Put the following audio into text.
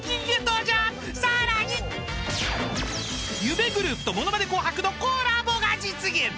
［夢グループと『ものまね紅白』のコラボが実現！］